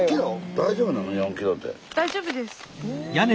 大丈夫です。